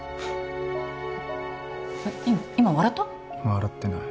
笑ってない。